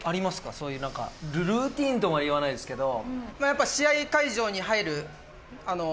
そういう何かルーティンとはいわないですけど。